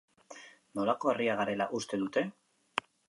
Nolako herria garela uste dute?